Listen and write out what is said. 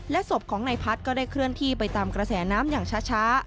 ศพของนายพัฒน์ก็ได้เคลื่อนที่ไปตามกระแสน้ำอย่างช้า